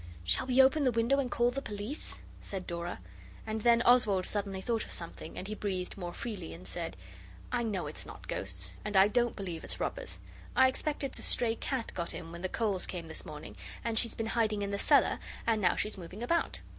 'Shall we open the window and call police?' said Dora; and then Oswald suddenly thought of something, and he breathed more freely and he said 'I know it's not ghosts, and I don't believe it's robbers. I expect it's a stray cat got in when the coals came this morning, and she's been hiding in the cellar, and now she's moving about.